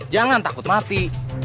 jangan takut mati